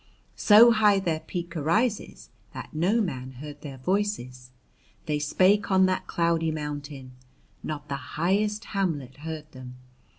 So high their peak arises that no man heard their voices. They spake on that cloudy mountain (not the highest hamlet heard them).